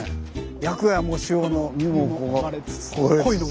「焼くや藻塩の身もこがれつつ」。